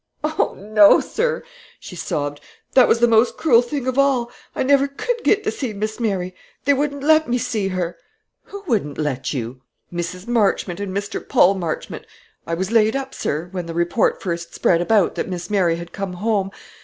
"O no, sir," she sobbed; "that was the most cruel thing of all. I never could get to see Miss Mary; they wouldn't let me see her." "Who wouldn't let you?" "Mrs. Marchmont and Mr. Paul Marchmont. I was laid up, sir, when the report first spread about that Miss Mary had come home.